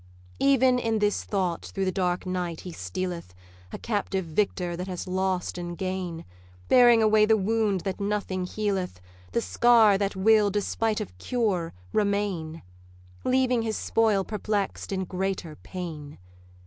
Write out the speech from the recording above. Even in this thought through the dark night he stealeth, A captive victor that hath lost in gain; Bearing away the wound that nothing healeth, The scar that will, despite of cure, remain; Leaving his spoil perplex'd in greater pain.